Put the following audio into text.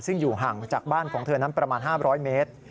ซึ่งอยู่ห่างจากบ้านของเธอนั้นประมาณ๕๐๐เมตร